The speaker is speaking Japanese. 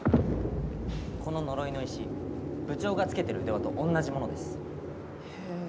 この呪いの石、部長が着けてる腕輪と同じものです。